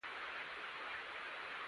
باد تل د بدلونو پیغام راوړي